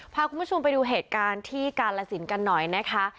พาคุณผู้ชมไปดูเหตุการณ์ที่กาลสินกันหน่อยนะคะ